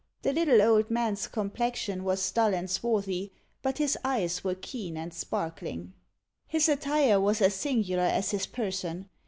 The little old man's complexion was dull and swarthy, but his eyes were keen and sparkling. His attire was as singular as his person.